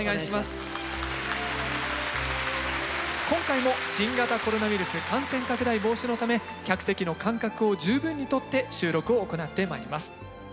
今回も新型コロナウイルス感染拡大防止のため客席の間隔を十分にとって収録を行ってまいります。